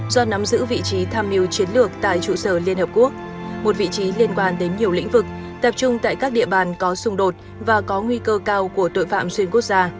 do nắm giữ vị trí tham mưu chiến lược tại trụ sở liên hợp quốc một vị trí liên quan đến nhiều lĩnh vực tập trung tại các địa bàn có xung đột và có nguy cơ cao của tội phạm xuyên quốc gia